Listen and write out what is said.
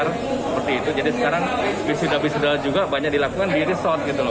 seperti itu jadi sekarang wisuda wisuda juga banyak dilakukan di resort gitu loh